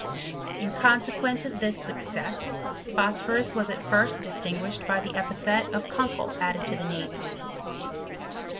In consequence of this success, phosphorus was at first distinguished by the epithet of Kunkel added to the name.